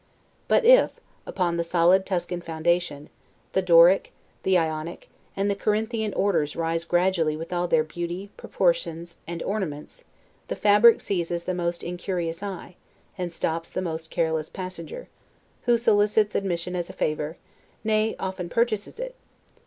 But if, upon the solid Tuscan foundation, the Doric, the Ionic, and the Corinthian orders rise gradually with all their beauty, proportions, and ornaments, the fabric seizes the most incurious eye, and stops the most careless passenger; who solicits admission as a favor, nay, often purchases it.